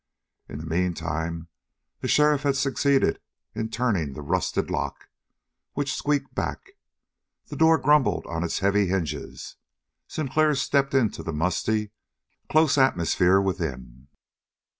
In the meantime the sheriff had succeeded in turning the rusted lock, which squeaked back. The door grumbled on its heavy hinges. Sinclair stepped into the musty, close atmosphere within.